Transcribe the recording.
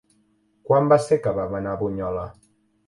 Quan va ser que vam anar a Bunyola?